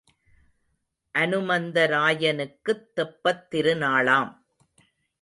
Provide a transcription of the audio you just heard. அனுமந்தராயனுக்குத் தெப்பத் திருநாளாம்.